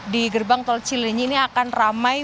di gerbang tol cilinyi ini akan ramai